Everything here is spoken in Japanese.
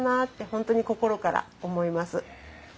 本当に心から思います。